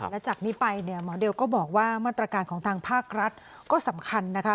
และจากนี้ไปเนี่ยหมอเดลก็บอกว่ามาตรการของทางภาครัฐก็สำคัญนะคะ